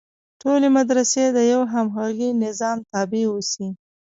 ټولې مدرسې د یوه همغږي نظام تابع اوسي.